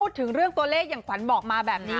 ถึงเรื่องตัวเลขอย่างขวัญบอกมาแบบนี้